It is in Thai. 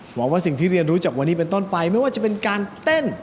หวังว่าสิ่งที่เรียนรู้จากวันนี้เป็นต้นไปไม่ว่าจะเป็นการเต้น